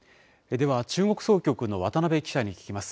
では中国総局の渡辺記者に聞きます。